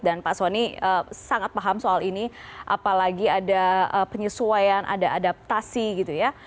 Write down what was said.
dan pak soni sangat paham soal ini apalagi ada penyesuaian ada adaptasi gitu ya